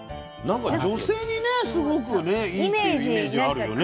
なんか女性にねすごくねいいっていうイメージあるよね。